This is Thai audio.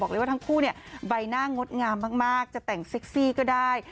บอกเลยว่าทั้งคู่ใบหน้างดงามมากจะแต่งเซ็กซี่ก็ได้